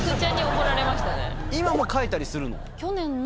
今も描いたりするの？